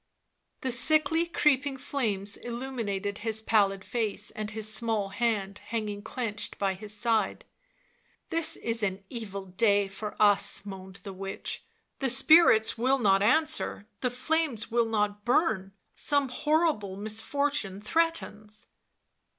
The sickly creeping flames illuminated his pallid face and his small hand,, hanging clenched by his side. " This is an evil day for us," moaned the witch, " the spirits will not answer, the flames will not burn ... some horrible misfortune threatens."